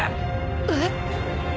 えっ！？